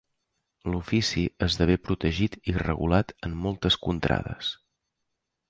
L'ofici esdevé protegit i regulat en moltes contrades.